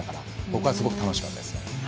僕はすごく楽しかったですよ。